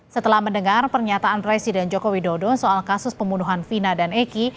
setelah mendengar pernyataan presiden joko widodo soal kasus pembunuhan vina dan eki